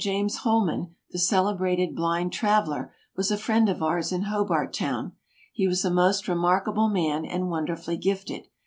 James Holman, the celebrated blind traveler, was a friend of ours in Hobart Town. He was a most remarkable man and wonderfully gifted.